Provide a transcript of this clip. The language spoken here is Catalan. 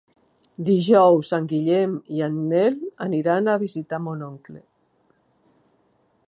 Dijous en Guillem i en Nel aniran a visitar mon oncle.